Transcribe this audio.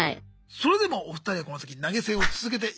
それでもお二人はこの先投げ銭を続けていかれますか。